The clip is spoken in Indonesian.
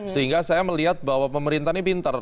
sehingga saya melihat bahwa pemerintah ini pinter